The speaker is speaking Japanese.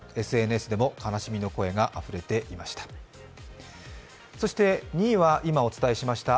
ＳＮＳでも悲しみの声があふれていました。